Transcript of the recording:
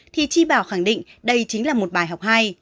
thì tri bảo khẳng định đây chính là một bài học hay